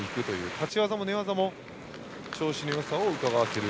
立ち技も寝技も調子のよさをうかがわせる